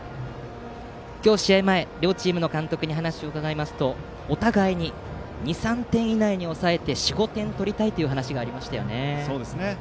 今日、試合前両チームの監督に話を伺いますとお互いに２、３点以内に抑えて４５点取りたいという話がありましたね。